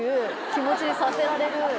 気持ちにさせられる。